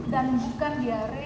dan bukan diare